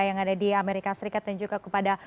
yang ada di amerika serikat dan juga kepada